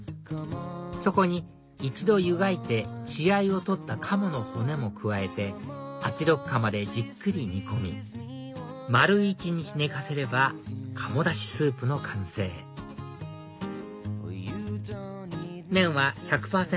そこに一度湯がいて血合いを取った鴨の骨も加えて圧力釜でじっくり煮込み丸１日寝かせれば鴨だしスープの完成麺は１００％